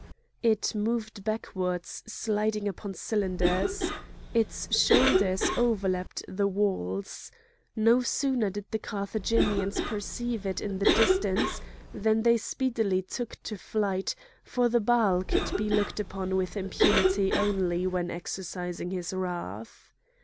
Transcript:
It moved backwards sliding upon cylinders; its shoulders overlapped the walls. No sooner did the Carthaginians perceive it in the distance than they speedily took to flight, for the Baal could be looked upon with impunity only when exercising his wrath.